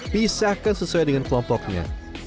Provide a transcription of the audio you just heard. pisahkan sesuai dengan kelompoknya